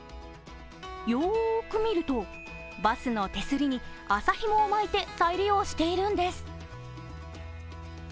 よーく見ると、バスの手すりに麻ひもを巻いて再利用しているんです。